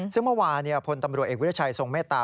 ซึ่งเมื่อวานเนี้ยพทับตำรเอกแวร์ชายทรงเมตตา